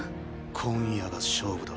今夜が勝負だ。